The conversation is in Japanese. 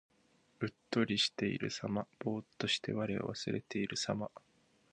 うっとりしているさま。ぼうっとして我を忘れているさま。